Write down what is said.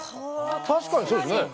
確かにそうですね。